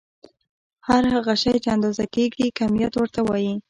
هر هغه شی چې اندازه کيږي کميت ورته وايې.